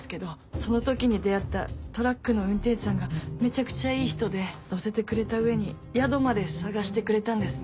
その時に出会ったトラックの運転手さんがめちゃくちゃいい人で乗せてくれた上に宿まで探してくれたんですね。